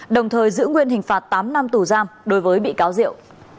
đồng thời giữ nguyên hình phạt tám năm tù giam đối với bị cáo diệu